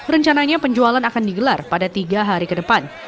rencananya penjualan akan digelar pada tiga hari ke depan